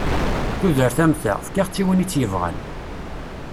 Tudert am ta, fkiɣ-tt i win i tt-yebɣan.